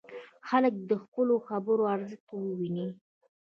خلک دې د خپلو خبرو ارزښت وویني.